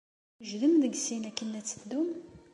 Twejdem deg sin akken ad teddum?